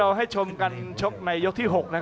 อัศวินาศาสตร์